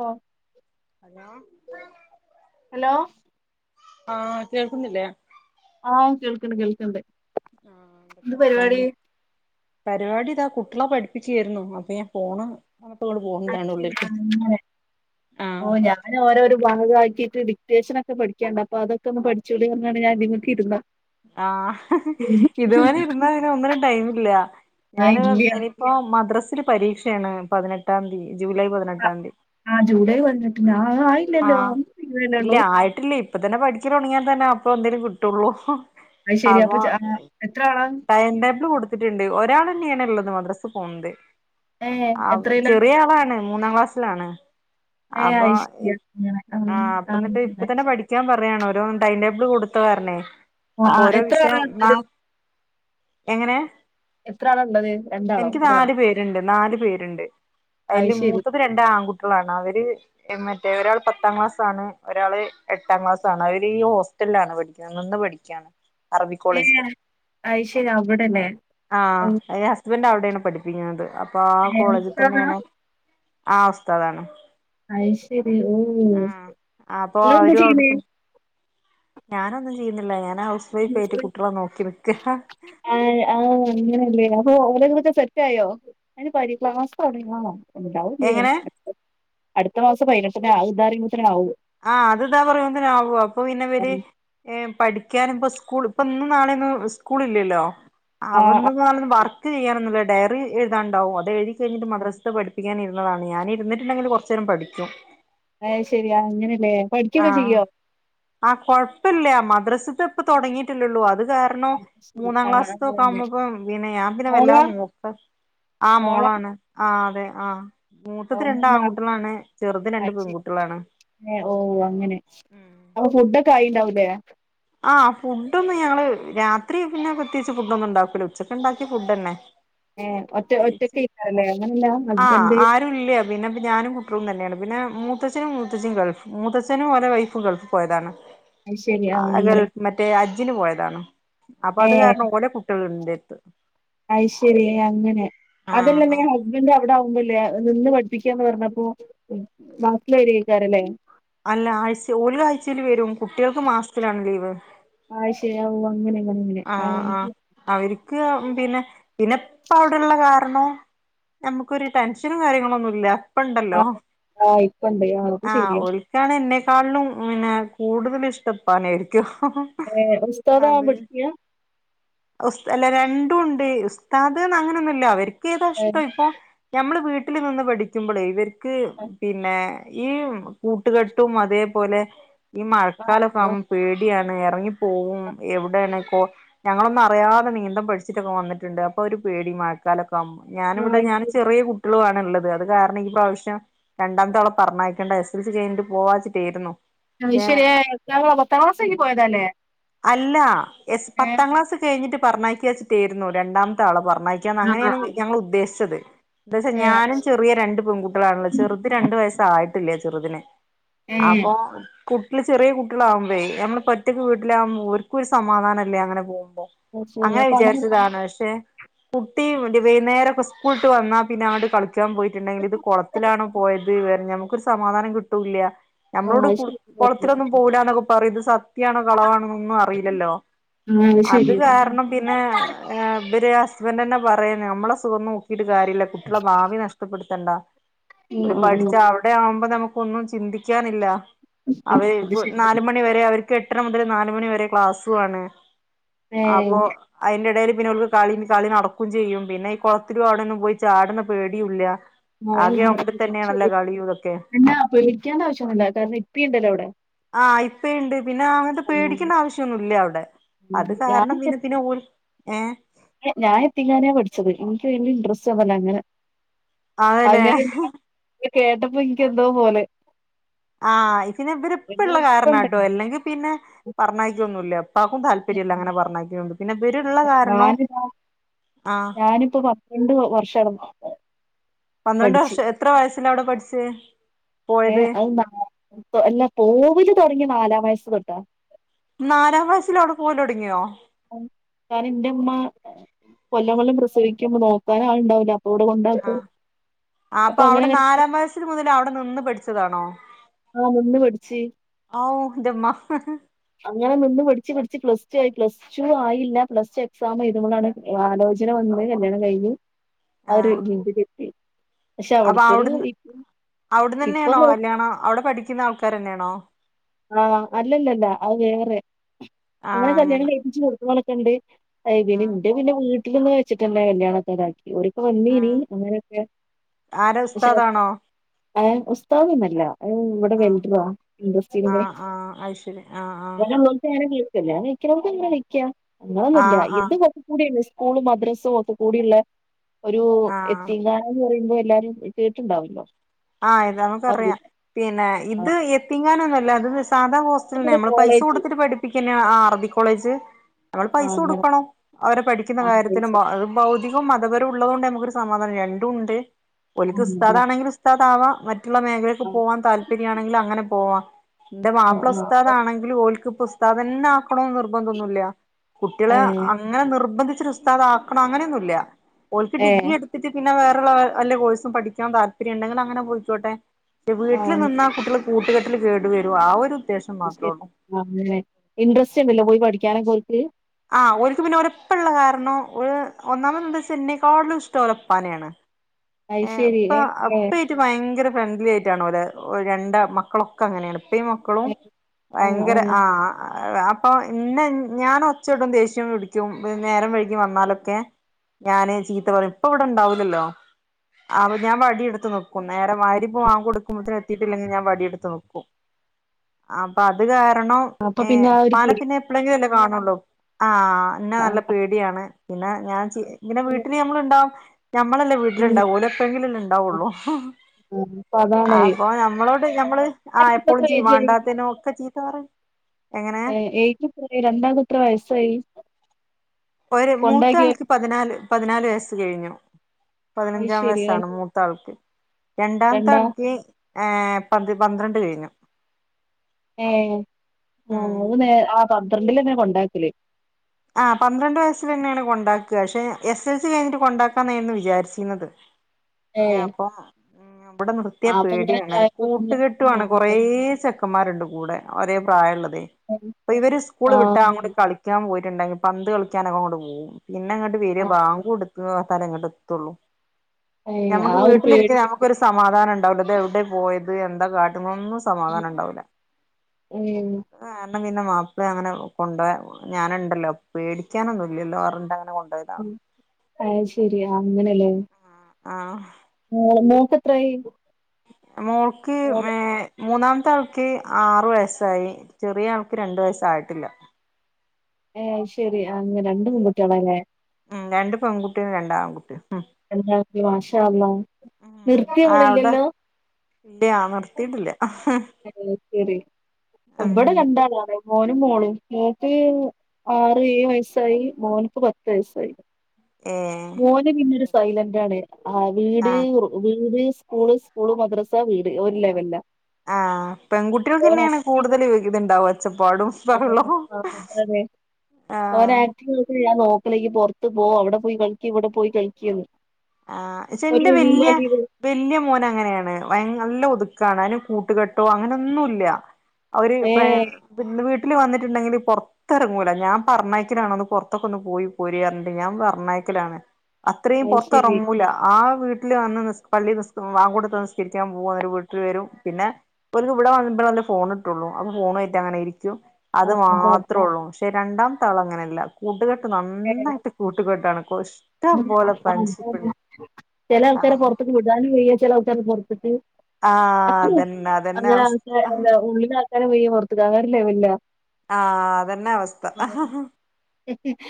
ഓ hello... hello ആഹ് കേക്കുന്നില്ലേ.? ആഹ കേൾക്ക്ണ്ട് കേൾക്ക്‌ണ്ട്. ആഹ എന്തൊക്കെവർത്താനം.? പരിപാടി ഇതാ കുട്ടികളെ പഠിപ്പിക്കയിരുന്നു അപ്പൊ ഞാൻ ഫോണ് അപ്പ ഇങ്ങോട്ട് അത് പോന്നതാണ് ശരി ഉള്ളിലേക്ക് അങ്ങനെ ഓ ആഹ് ഞാൻ ഓരോരു വാഗക ആക്കിട്ട് ഡിറ്റേഷനോക്കെ പഠിക്കാണ്ട് അപ്പൊ അതൊക്കെ ഒന്ന് പഠിചോളി എന്നന്നാണ് ഞാ ഇതുമ്മക് ഇുന്നുന്ന ആഹ് ഹ് ഹ് ഇതുവരെ ഇരുന്നൈന് ഒന്നിനും ടൈമില്ല്യ. ആഹ് ഞാന് ഇല്ല്യ എനിയിപ്പോ മദ്രസ് [unintelligible] പരീക്ഷയാണ് പതിനെട്ടാതി ജൂലൈ ആ പതിനെട്ടാതി. ആ, ജൂലൈ വന്നിട്ട് ഞാൻ ആ ആയില്ലല്ലോ ഇല്ല ഇല്ലല്ലേള്ളൂ ആയിട്ടില്ലേ ഇപ്പ തന്നെ പഠിക്കൽ തുടങ്ങിയാതന്നെ അപ്പൊ എന്തേലും കിട്ടുള്ളൂ. അത് ശെരി അപ്പൊ ച ആ എത്ര? ആളാ ടൈം ടേബിള് കൊടുത്തിട്ട്ണ്ട് ഒരാൾ എന്നയണ് ള്ളത് മദ്രസിൽ പോണ് ണ്ട്. ഏഹ് ആ വ് എത്രയിലാ ചെറിയ ആളാണ് മൂന്നാ ക്ലാസ്സിലാണ്. ഏഹ് അപ്പൊ അത് ശരിയാ അങ്ങനെ ആഹ് ആആപ്പ ആഹ് ന്നിട്ട് ഇപ്പ അത് തന്നെ ശരി പഠിക്കാൻ പറയണോ ഡൈൻ ടേബിള് കൊടുത്ത കാരണേ ആഹ് അപ്പൊ ആഹ് ഓരോ എത്ര ആളാ വിഷയം ന്നാ ഉള്ളത് എങ്ങനെ.? എത്ര ആള ഉണ്ടത് എനിക്ക് നാലു പേരുണ്ട് നാലു പേരുണ്ട് അത് അതില് ശരി മൂത്തത് രണ്ട ആൺകുട്ടകളാണ് അവര് മറ്റേ ഒരാൾ പത്താം ക്ലാസ് ആണ് ഒരാള് എട്ടാം ക്ലാസ് ആണ് അവര് ഈ ഹോസ്റ്റലാണ് പഠിക്കുന്നത് പഠിക്കയാണ് അറബി ഏഹ് കോളേജില് അത് ശരി അവിടെല്ലേ ആ ഓഹ് അ ഹസ്ബൻഡ് അവിടെയാണ് പഠിപ്പിക്കുന്നത് അപ്പൊ ആ ഏഹ് കോളേജിൽ ഉസ്താദാ തന്നെയാണ് ആ അവസ്ഥ അതാണ് അ ശരി ഓ അപ്പൊ എന്നങ്ങ എന്താ അവരും ചെയ്യുന്നേ അവിടുത്തെ ഞാനൊന്നും ചെയ്യുന്നില്ല ഞ ആ ആഅങ്ങനെല്ല ഓ ഓര കുറ്റ സെറ്റയോ അതിന് പ ക്ലാസ് തുടങ്ങിയണോ ഉണ്ടാവ എങ്ങനെ അടുത്ത മാസം പതിനെട്ടിന ആദാറി ആ അത്താ പറയതി ആവോ അപ്പൊ പിന്നെവര് പഠിക്കാനും ഇപ സ് ഇപ്പൊ ഇന്ന നാളെയൊന്നും സ്കൂൾ ഇല്ലല്ലോ ആ ആ, അവന്ന നാളെന്ന് വർക്ക് ചെയ്യാറോ ഡയറി എഴുതാണ്ടും അത് എഴുതി കഴിഞ്ഞിട്ട മദസ പഠിപ്പിക്കാന താണ് ഞാന ഇരിട്ടുണ്ടെങ്കിൽ കുറച്ചു നേരം പഠിക്കും അ ശരിയാ അങ്ങനെ ആ ആ കൊഴപ്പില്ല മദ്രസത്തെ ഇപ്പ തുടങ്ങിട്ടില്ലള്ളൂ അത് കാരണം ആ ശരി. മൂന്നാം ആ, ക്ലാസ നോക്ക അങ്ങനെ ആകുമ്പോപ്പ പിന്നെ ഞാൻ പിന്നെ മോളാ വല്ലാത നോക്ക ആ മോളാ മോളാണ് ആ അതെ ആ ഓ മൂത്തത്തി രണ്ട് മൂന്നാള് ആൺകുട്ടികളാണ് ചെറുത് രണ്ട് അത് ശരി പെൺകുട്ടികളാണ് ഏ, ഓ അങ്ങനെ ഉം അപ്പൊ ഫുഡ ഒക്കെ ആയിണ്ടാവലേ ആഫുഡ് ഒന്ന ഞങ്ങള് രാത്രി പ്രത്യേകിച്ച് ഫുഡ് ഒന്നും ഉണ്ടാക്കൂല ഉച്ചക്ക ഉണ്ടാക്കിയ ഫുഡ് തന്നെ ഏ ഒറ്റ പ്രത്കിച്ച ഒറ്റക്ക് അല്ലേ അങ്ങനെയല്ല ആ ഹസ്ബൻഡ് ആരും ഇല്ല പിന്നെപ്പ ഞാനും കുട്ടവുളും തന്നെയാണ് പിന്നെ മൂത്തച്ഛനും മൂത്തച്ഛും ഗൾഫ് മൂത്തച്ഛനും ഒര വൈഫ ഗൾഫ് പോയതാണ് അത് ശരി ആ, അങ്ങനെ ഗൾഫ് മറ്റേ അജ്ജിന് പോയതാണ് അപ്പൊ അത് കാരണം ഓരേ കുട്ടികളൾ ഉണ്ടത്ത് അയിശെരി അങ്ങനെ ആ ആ അതല്ല ഹസ്ബൻഡ് അവിടെ നിന്ന് പഠിപ്പിക്കാന്ന് പറഞ്ഞപ്പോ വാകി ലായിക്കാരല്ലേ അല്ല ആഴ്ച ഒരു അഴ്ചൽ വരും കുട്ടികൾക്ക് മാസത്തിലാണ് ലീവ് ചെയാവോ അങ്ങനെ അങ്ങനെ ആ ആഹ് ആഹ് അവർക്ക് പിന്നെ പിന്നെപ്പ അവിടെള്ള കാരണം നമക്കൊരു ടെൻഷനും കാര്യങ്ങള ഒന്നും ഇല്ല അപ്പ ആ ഇണ്ടല്ലോ ആ ഇപ്പണ്ട് അത് ആ ശരിയാ ഒരിക്കാണ് എന്നെക്കാളിലും പിന്നെ കൂടുതൽ ഇഷ്ടപാനായിരിക്കും ഏ ഉസ്താദാവാൻ അബന് പഠിക്കാ സ്ത അല്ല രണ്ടും ഉണ്ട് ഉസ്താദ് അങ്ങനെൊന്നുമല്ല അവർക ഏതാ ഏ ഇഷ്ടം ഇപ്പൊ ഞമ്മള് വീട്ടിൽ നിന്ന് പഠിക്കുമ്പോള ഇവർക്ക് ആ പിന്നെ ഈ കൂട്ടുകെട്ടും അതേപോലെ ഈ മഴക്കാലൊക്കെ ആ ആമ്പോ പേടിയാണ് ഇറങ്ങി പോകവും എവിടെണക്ക ഞങ്ങളൊന്ന അറിയതെീന്തം പഠിച്ചിട്ടൊക്കെ വന്നിട്ടണ്ട് അ ഒരു പേടി മക്കാലൊക്കെ ഇപ്പം ഞാനിവിടെ ഞാൻ അയ്ശരി ചെറിയ കുട്ടികളുണ് ള്ളത് അത് കാരണം ഇപ്രാവശ്യം ആവശ്യം രണ്ടാമ തോളം പറഞ്ഞക്കേണ്ട എസ് എൽ സി കഴഞ്ഞിട്ട് പോവാച്ചിട്ടോയിരുന്നു ശരി പത്താം ക്ലാസ്സ എക്ക് പോയതല്ലേ ഏർ അ കഴിഞ്ഞിട്ട് പറഞ്ഞാക്കക്ക വച്ചിട്ടായിരുന്നു രണ്ടാമത്തെ ആളെ പറഞ്ഞാക്കക്കാന്ന് ആ ആ അങ്ങനെയാണ് ആ ഞങ്ങള ഉദ്ദേശിച്ചത് എന്ത്വച്ചാ ഏ അത് ഞാനും ശരി ചെറിയ രണ്ട് പെൺകുട്ട്യോളാണല്ലോ? ചെറുത് രണ്ടു വയസായിട്ടില്ല ചെറുതിന്. ഏ അപ്പോ കുട്ടൃള് ചെറ്യ കുട്ടൃളാകുമ്പോഴേ നമ്മളിപ്പോറ്റക്ക് വീട്ടിലാകുമ്പോ ഓര്ക്കും ഒരു സമാധാന ഇല്ല അങ്ങനെ പോകു മ്പോ, അത് ശരി അങ്ങനെ അപ്പൊ വിചാരിച്ചതാണ്, പക്ഷേ കുട്ടി [unintelligible] വൈന്നേരൊക്കെ സ്കൂള്ട്ട് വന്നാ പിന്നെന്നങ്ങോട്ട് കളിക് കാൻ പോയിട്ടുണ്ടെങ്കില് ഇത് കൊളത്തിലാണോ പോയത് വേറെ നമ്ക്കൊരു സമാധാനം കിട്ടൂം ഇല്ലൃ. ആ നമ്മളോട് അത് കുള് ശരി കൊളത്തിലൊന്നും പോവൂല്ലാന്നൊക്കെ പറയും. ഇത് സത്യാണോ കളവാണോനൊന്നും അറീല്ലല്ലോ? ഉം അത് കാരണം പിന്നെ ഏഹ് ഇവര് ഹസ്ബൻ്റെന്നെപറയും നമ്മളെ സുഖംനോക്കി കാര്യല്ല കുട്ടൃളെ ഭാവി നഷ്ടപ്പെടുത്തണ്ട ഉം ഓല് ഉം ഉം പഠിച്ചവിടെയാവുമ്പോ നമുക് ഒന്നും ചിന്തിക്കാനില്ല ആ അവര് അത് പൊ ശരി നാലുമണിവരെ അവർ കെട്ടരമുതല് നുലുമണിവരെ ക്ലാസുവാണ് ഏ അപ്പോ ഐൻ്റെടേല് പിന്നെ ഒന്ന് കളി കളി നടക്കും ചെയ്യും പിന്നെ ഈ കൊളത്തിലൂം അവ്ടെന്നും പോയി ചാട്ണ പേടിയുല്ല ഇതൊക്കെ പിന്നെ വിളിക്കണ്ട ആവശ്യന്നുല്ലട്ട [unintelligible] ആഹ് ഇപ്പയിണ്ട് പിന്നെ അങ്ങൻത്തെ പേടിക്കെണ്ട ആവശ്യം ഒന്നുല്ല അവിടെ അത് കാരണം പിന്നെ പിന്നെ ഓൽ ഏഹ് ഞാ ഞാ എത്തിങ്ങാനെ പഠിച്ചത് എനിക്ക് ഭയങ്കര ഇൻട്രസ്റ്റ [unintelligible] അങ്ങനെ അതേല്ലേ അങ്ങനെയല്ല ഇത് കേട്ടപ്പോ എനിക്കെന്തോ പോലെ ആഹ് ഇതിനെ പിന്നെ ഇവര്പ്പിള്ള ഇപ്പണ്ട് കാര്ണാട്ടോ അല്ലെങ്കി പിന്നെ പറഞ്ഞയ്ക്കോന്നുല്ല ഇപ്പാക്കും താല്പര്യല്ല അങ്ങനെ പറഞ്ഞയ്ക്ക്ണ്ട് പിന്നെവ്വര്ള്ള കാരണം ഞാനിതാ ആഹ് ഞാനിപ്പോ [unintelligible] വർഷടുന്നു പന്ത്രണ്ട് വർഷം എത്ര വയസ്സിനാ അവിടെപഠിച്ചേ ഏഹ് അത് ന പൊ അല്ലാ പോവല് തൊടങ്ങി നാലാംവയസ്സ് തൊട്ടാ നാലാം വയസ്സില് അവള് പോവല് തുടങ്ങിയോ ഞാൻ എന്റെ ഇമ്മ കൊല്ലങ്ങളും പ്രസവിക്കുമ്പോ നോക്കാനാള് ഇണ്ടാവില്ല ആഹ് ആഹ് അപ്പൊ അങ്ങനെ അവിടെ അങ്ങനെ നാലാം വയസ്സിന് മുതൽ അവിടെ നിന്ന് പഠിച്ചതാണോ ആഹ് നിന്ന് പഠിച്ച് ഔ എന്റെമ്മ അങ്ങനെ നിന്ന് പഠിച്ച് പഠിച്ച് പ്ലസ് പ്ലസ്ടു ആയില്ല പ്ലസ്ടു എക്സാം ചെയ്ത് കൊണ്ടാണ് ആലോചന വന്നത് കല്യാണം കഴിഞ്ഞു ആഹ് ഒരു രീതിയിലെത്തി പക്ഷെ അപ്പൊ അവിടുത്തൊരു അവിടിന്ന് അവിട്ന്ന് ഇപ്പൊ തന്നെയാണോ നോ- കല്യാണം അവിടെ പഠിക്കുന്ന ആൾക്കാരന്നാണോ തന്നെയാണോ ആഹ് അല്ലല്ലല്ല അത് വേറെ അങ്ങനെ കല്യാണം കഴിപ്പിച്ചു കൊടുക്കുന്നലരൊക്കെണ്ട് അയില് ആഹ് ഇന്റെ പിന്നെ വീട്ടിൽന്ന് വച്ചിട്ടന്നെ ഇണ്ടായ കല്യാണക്കാരാക്കി ഓരൊക്കെ വന്നീനി ആഹ് അങ്ങനെയൊക്കെ ആരാ പക്ഷെ ഉസ്താദാണോ ഏഹ് ഉസ്താദൊന്നും അല്ല ഇവിടെ ആഹ് [unintelligible] ആഹ് ആഹ് അയ്ശെരി ആഹ് ആഹ് [unintelligible] അങ്ങനെ ഒന്നൂല്ല ആഹ് ഇത് ആഹ് [unintelligible] സ്കൂളും മദ്രസ്സും ഒക്കെ കൂടിള്ള ഒരു ആഹ് എത്തിംങ്ങാനാന്ന് പറയും [unintelligible] എല്ലാരും കേട്ടുണ്ടാവല്ലോ ആഹ് ഇത് ആ ഒരു നമ്മക്കറിയാം ഇത്. പിന്നെ ആ ഇത് എത്തിംങ്ങാ ങ്ങാനൊന്നു അല്ല അത് സാധാ അത് ഹോസ്റ്റലെന്നെയാ പിന്നെ നമ്മള് പൈസ കോളേജ് കൊടുത്തിട്ട് പഠിപ്പിക്കെന്നെയാ ആഹ് അറബി കോളേജ് നമ്മള് ആ പൈസ അങ്ങനെ കൊടുക്കണം അവരെ പഠിക്കുന്ന ആ പൈസ കാര്യത്തിനും ഭ ഭൗതികവും മതപരവും ഉള്ളതു കൊണ്ട് തന്നെ മ്പോ ഒര് സമാധാനം രണ്ടും ഉണ്ട് ആ ഓലിക്ക് ഉസ്താദ് അതാ. ആണെങ്കി ഉസ്താദ് ആവാ മറ്റ് മറ്റുള്ള മേഖലക്ക് ആ പോവാൻ താല്പര്യം ആണെങ്കിൽ അങ്ങനെ പോവാ ഇന്റെ ആ, മാപ്പിള ആ. ഉസ്താദാണെങ്കിലും ഓൽക്ക് ഉസ്താദ് തന്നെ ആക്കണോന്ന് നിർബന്ധൊന്നില്ല ഏ കുട്ടികള് അങ്ങനെ നിർബന്ധി ദ്ധിച്ച് ഉസ്താദ് ആക്കണം അങ്ങനെയൊന്നുല്ല ഓലിക്ക് ഏ ഡിഗ്രി എടുത്തിട്ട് പിൻ പിന്നെ വേറള്ള വല്ല കോഴ്സും പഠിക്കാൻ താൽപര്യം ഇണ്ടെങ്കിൽ അങ്ങനെ പൊയിക്കോട്ടെ ആ വീട്ടിൽ നിന്നാ അങ്ങനെ കുട്ടിയള് കൂട്ടുകെട്ടില് കേടു വരും ആ ഒരു ഉദ്ദേശം അത് മാത്രേ ഉള്ളൂ ശരി ആണ് ലേ ഇൻട്രസ്റ്റ് ഇണ്ട്ലേ പോയി പഠിക്കാനൊക്കെ ഓലിക്ക് ആഹ് ഓലിക്ക് പിന്നെ ഓരെ ഉപ്പള്ള കാരണം ഒരു ഒന്നാമത് എന്താച്ചാ എന്നെക്കാളും ഇഷ്ടം ഓലെ ഉപ്പാനെയാണ് അത് ഏ ശരി ഇപ്പ ഏ അപ്പായിട്ട് ഭയങ്കര ഫ്രണ്ട്ലി ആയിട്ടാണോലെ രണ്ടാ മക്കളൊക്കെ അങ്ങനെയാണ് ഇപ്പെ മക്കളും ഏ, ആ ആ ഭയങ്കര ആഹ അപ്പൊ ഇന്ന ഞാൻ ഒച്ചേടം ദേഷ്യം പിടിക്കും നേരം വഴകി വന്നാലൊക്കെ ഞാന് ചീത്ത പറഞ്ഞു ഇപ്പൊ ഇവിടെ ഉണ്ടാവൂലല്ലോ അപ്പൊ ഞാൻ വടിയെടുത്ത നിക്കും നേരെ വാരിപ്പ വാ കൊടുക്കുമ്പത്തേന് എത്തിട്ടില്ലെങ്കിൽ ഞാൻ വടിയ എടുത്ത് നക്കും ആ അപ്പൊ അത് ക അപ്പൊ പിന്നെ ആ ഒരു ഉപ്പാനെ പേടി പിന്നെ എപ്പഴെങ്കിലുംല്ലേ കാണള്ളോ ആ എന്നാ ആ നല്ല പേടിയാണ് പിന്നെ ഞാൻ അപ്പൊ വീട്ടിൽ ഞമ്മള് ഞമ്മളെല്ലേ ഉം വീട്ടിലുണ്ടാക ഓൽ എപ്പളെങ്കിലെല്ലേ ആ, ഇണ്ടാവുള്ളു ങ് ഹ്.. ആ. അപ്പൊ അതാണ് അപ്പൊ ഞമ്മളോട് ഞമ്മള് ആ രണ്ടാൾക്കും എപ്പളും എത്ര ജി ഏജായി വേണ്ടത്തീനുയൊക്കെ ചീത്ത പറയും എങ്ങനെ ഏ എക്കും രണ്ടാൾകെത്ര. വയസ്സായി ഒരു കൊണ്ടാക്കിയോ മുത്തയാൾക് പതിനാല് പതിനാല് വയസ്സ് കഴിഞ്ഞു അത് പതിനഞ്ചാമം ശരി വയസ്സാണ് മൂത്താൾക് രണ്ടാ രണ്ടാമത്ത ഏ പന്തി പത്രണ്ട് കഴിഞ്ഞു ഏ ഉം മൂന്നേ അ പന്ത്രണ്ടിലെന്നെ കൊണ്ടാക്കാല് അ പന്ത്രണ്ട് വയസ്സിലേന്നെണ് കൊണ്ടാക്ക ശേ എസ് ൽ സി കഴിഞ്ഞിട്ട് കൊണ്ടാകാനാണ് വിചാരിചീണത് ഞാ ഏഹ് അപ്പം ഇവിടെ നിർത്തിയ ആ അപ്പൊ ഇങ്ങനെ പേടിയാണ് ചായക്കൊ പിന്നെ കൂട്ടുകെട്ടുവാണ് കുറേ ആഹ് ചെക്കന്മാരുണ്ട് കൂടെ ഒരേ പ്രയാള്ളത് പ്പഇവര് സ്കൂള് വിട്ടാ ആഹ് അങ്ങോട്ട്‌ കളിക്കാൻ പോയി ട്ടടെങ്കിൽ പന്ത് കളിക്കാനെങ്ങട്ട് പോകും പിന്നെങ്ങിട്ട് തീരാ ബാങ്ക് കൊടുക്കുക താലേ ഇങ്ങട്ടതൊള്ളൂ ഏഹ് ഞമ്മക് ആ ഒരു വീട്ടിലിരിക്ക പേടി ഞമ്മക്കൊരു സമാധാനം അവിടെന്ന് എവിടെ പോയത് എന്താ കാട്ടനൊന്നും ഉം. സമാധാനം ഇണ്ടാവൂല.. ഏഹ് ഇവിടെ പിന്നെ വാപ്പയും അങ്ങനെ കൊണ്ടായ ഞാനെണ്ടല്ലോ പേടിക്കാനൊന്നുല്ലല്ലോ ന്ന് പറഞ്ഞിട്ടങ്ങനെ അം അതേശേരി അങ്ങനല്ലേ ആ ഹ്.. ഉം മോകത്രായി മോൾക് മേം മൂന്നാമത്താൾക് ആറു വയസ്സായി ചെറിയാൾക് രണ്ട് വയസ്സായിട്ടില്ല ഏ ശരി അങ്ങന രണ്ട് പെങ്കുട്ടിളാലെ ഉം രണ്ടു പെങ്ങുട്ടോളും രണ്ട് ആൺകുട്ടോളും ഉം എന്തേ ന്റെ. മാസ് ഉം അതെ ഇല്ല നിർത്തീട്ടില്ല മഹേ ഇവിടെ രണ്ടാൾകാരനെ മോനും മോളും മോൾക് ആറ് ഏയ്‌ വയസ്സായി മോന്ക് പത്ത് വയസ്സായി ഏ മോന് പിന്നൊരു സൈലന്റാണ് ആ വീട് ആഹ ഓയൂർ.. സ്കൂള് സ്കൂള് മദ്രസ വീട് ഒരു ലെവല അ പെൺകുട്ടേൾകന്നേണ് കൂടുതൽ ഇത്‌ണ്ടാക കൂടുതലും ഒച്ചപ്പാടും ബഹളും ഒരാഴ്ച ഞാൻ നോക്കേണ് ഇയ്യ് പുറത്തു പോ അവിടെ പോയ്‌ കളിക് ഇവിടെ പോയ്‌ കളിക്കെന്ന് ആ ഇച്ചെന്റ വല്യ വല്യ മോനങ്ങനെണ് ഭയൻ നല്ല ഒതുക്ക കാണാനും കൂട്ട്കെട്ടോ അങ്ങനൊന്നുംല്ല ഏ അവര്ഫ്രാൻ ബന്ധു വീട്ട വീട്ടില് വന്നിട്ടുണ്ടെങ്കിൽ പുറത്ത് ഇറങ്ങുല്ല ഞാൻ പറഞ്ഞയക്കലാണ് ഒന്ന് പുറത്തൊക്കെന്ന്. പോയിപോരെനാക്കെ ഞാൻ പറഞ്ഞയക്കലാണ് ക്കലാണ് അത്രയും അത് ശരി പുറത്തിറങ്ങൂല ആ വീട്ടില് വന്ന് നിസ്കരി പള്ളി. ബാങ്ക് കൊടുത്ത് നിസ്കരിക്കാൻ. പോക പിന്നെ നിസ്കരിക്ക വരും പിന്നെ. അപ്പോൾക് ഇവിടെ വരും അപ്പളവന് ഫോണി ട്ടുള്ളു അപ്പം ഫോണേറ്റങ്ങിനെ ഇരിക്കും ആ അത് അത അത് മാത്രേള്ളൂ ക്ഷേ രണ്ടാമത്തെ ആളങ്ങനെയല്ല കൂട്ട് കെട്ട് നന്നായിട്ട് കൂട്ട് കെട്ടാണ് കുഷ്ട്ടംബൊലേ ഫ്രണ്ട്സ് ചെലൾക്കാരെ പോർത്തേക് വിടാനും വയ്യാ ചെല ആൾക്കാരെ പുറത്ത്ക് ആ അതന്നെ അതന്നെ അങ്ങനെ അവസ്ഥ അവന്റ. എല്ലാംമുഴുവൻ ഉള്ളിലുള്ള ആൾക്കാരെ. പുറത്തിക് അങ്ങനൊരു ലെവലാ ആ അതെന്നെ അവസ്ഥ അഹ്ഹ് ഹും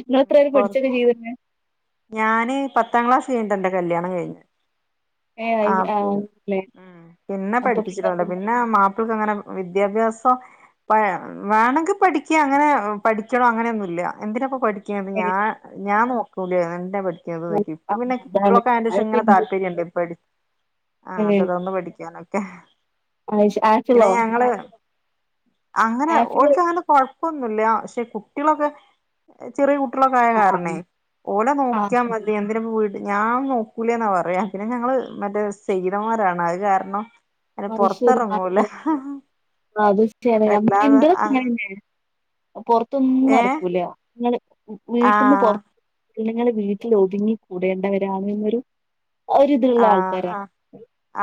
ഇങ്ങളെത്ര പഠിച്ചൊക്കെ ചെയ്തിക്കണ് ഞാന് പത്താമം ക്ലാസ് കയിഞ്ഞിട്ടെന്റെ കല്ലിയാണം കഴിഞ്ഞത് ഏ ആ അയ് മം ല്ലേ പിന്നെ പഠിപ്പിച്ചിട്ടൊന്നുല്ല്യ പിന്നെ മാം ഇപ്പക്കങ്ങനെ വിധിയാഭിസം വേണെങ്കി പടിക്ക അങ്ങനെ പഠിക്കണം അങ്ങനൊന്നു ക്യ. പിന്നെ ഏ ഞാൻ നോക്കൂലേ ഇന്നേ പഠിപ്പിക്ക ആ, ഇപ്പൊ പിന്നെ അതാണ് കുട്ട്യോളെക്കെ അയിന്റെസം അത്പ്പ താല്പര്യം ഉണ്ട് ആ തുടർന്ന് പഠിക്കാനൊക്കെ പിന്നെ ഞങ്ങള് [unintelligible] അങ്ങനെ ആപ്പിള് ഒൽക്ക് അങ്ങനെ കൊഴപ്പൊന്നുല്ല. പക്ഷെ കുട്ടികളൊക്കെ ചെറിയ കു ട്ടിയാളൊക്കെ ആയ ആ കാരണേ ഓല ആ, ആ, നോക്കിയാ മതി എന്തിന് ഫുൾ ഞാൻ നോക്കൂലേെന്നാ പറയാ. പിന്നെ ഞങ്ങള് മറ്റേ സനേഹിതന്മാരാണ് അത് കാരണം അല്ല അത് ശരി പൊറത്തിറങ്ങൂല. അത് ശരി വല്ലാത ആ പുറത്തൊന്നും നടക്കൂല്ല. നിങ്ങള് ആ വീട്ടിൽന്ന്പുറ പെണ്ണുങ്ങള് വീട്ടിൽ ഒതുങ്ങിിക്കൂടേണ്ടവരാണ് എന്നൊരു ആ ഒരി ഇതുള്ള ആ ആ ആൾക്കാരാണ്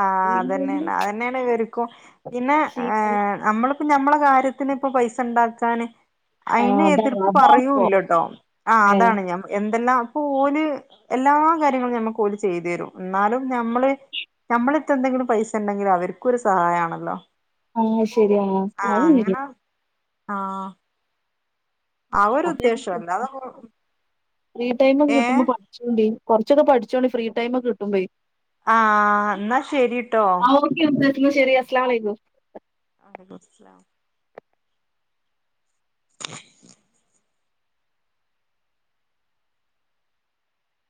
ആഹ് [unintelligible] ഇവർക്കും പിന്നെ ചെയ്ത ഏഹ് നമ്മള പ്പോ ഞമ്മള കാര്യത്തിന് ഇപ്പ പൈസ ഉണ്ടാക്കാന് ആ അയിന് അതാണ് എതിർപ്പ് അതാണിപ്പോ പറയൂല്ലട്ടോ. ആ ഏ അതാണ് ഞാൻ എന്തെല്ലാം അപ്പൊ ഓല് എല്ലാ കാര്യങ്ങളും ഞമ്മക്ക് ഓല് ചെയ്തു തരും. എന്നാലും നമ്മള് നമ്മളിത്തെ എന്തെങ്കിലും പൈസ ഉണ്ടെങ്കിലും അവർക്കും ഒരു സഹായാണല്ലോ. ആ ശരിഎന്നാ ആഹ് [unintelligible] അങ്ങനെ ആഹ് അവരു ഉദ്ദേശം എന്ത? [unintelligible] ഫ്രീടൈം ഒക്കെ കിട്ടുമ്പോ പഠിച്ചോണ്ട് കുറച്ചൊക്ക പഠിച്ചോണ്ട് ഫ്രീടൈമ് ഒക്കെ കിട്ടുമ്പയി ആഹ് എന്നാ ശരിട്ടോ. ആ ഓക്കെ എന്നാ മുത്തശ്ശി ശരി അസ്സലാംമലൈക്കും. ആ [unintelligible] സ്സലാം.